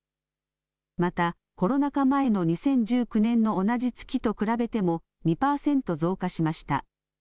また、コロナ禍前の２０１９年の同じ月と比べても２パーセント増加しました。